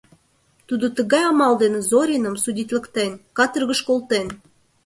Тудо тыгай амал дене Зориным, судитлыктен, каторгыш колтен.